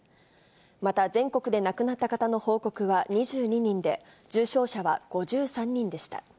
また、全国で亡くなった方の報告は２２人で、重症者は５３人でした。